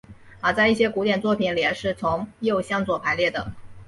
而在一些古典作品里是从右向左排列的。